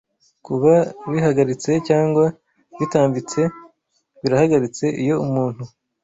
kuba bihagaritse cyangwa bitambitse Birahagaritse iyo umuntu